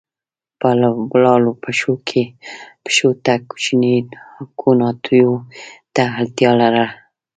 په ولاړو پښو تګ کوچنیو کوناټیو ته اړتیا لرله.